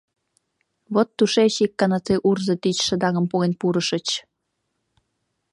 Вот тушеч ик гана тый урзо тич шыдаҥым поген пурышыч.